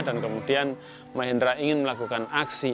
dan kemudian mahendra ingin melakukan aksi